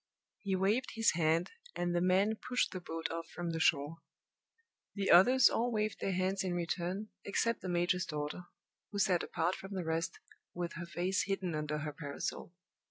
He waved his hand, and the men pushed the boat off from the shore. The others all waved their hands in return except the major's daughter, who sat apart from the rest, with her face hidden under her parasol.